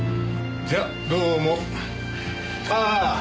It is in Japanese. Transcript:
じゃどうも。ああ。